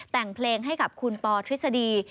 แต่งเพลงให้กับคุณปอทฤษฎี